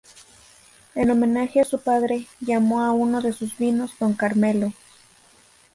En homenaje a su padre, llamó a uno de sus vinos "Don Carmelo".